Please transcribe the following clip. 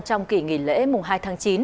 trong kỷ nghỉ lễ hai tháng chín